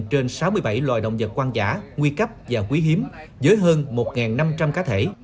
trên sáu mươi bảy loài động vật hoang dã nguy cấp và quý hiếm với hơn một năm trăm linh cá thể